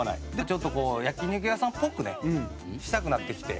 ちょっと焼肉屋さんっぽくねしたくなってきて。